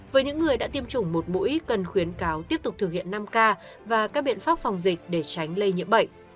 với những người đã tiêm chủng một mũi cần khuyến cáo tiếp tục thực hiện năm k và các biện pháp phòng dịch để tránh lây nhiễm bệnh